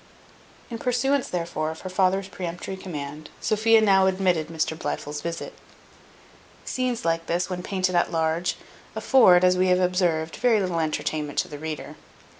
In pursuance, therefore, of her father's peremptory command, Sophia now admitted Mr Blifil's visit. Scenes like this, when painted at large, afford, as we have observed, very little entertainment to the reader.